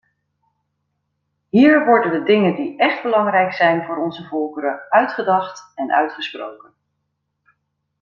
Hier worden de dingen die echt belangrijk zijn voor onze volkeren uitgedacht en uitgesproken.